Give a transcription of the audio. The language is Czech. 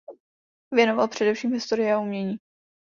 Věnoval především historii a umění.